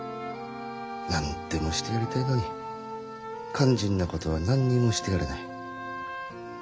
何でもしてやりたいのに肝心なことは何にもしてやれない。